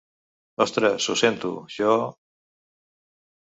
Ostres, ho sento, jo...